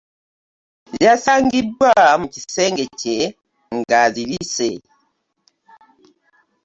Yasangiddwa mu kisenge kye ng'azirise.